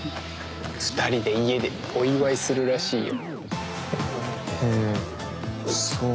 二人で家でお祝いするらしいよ。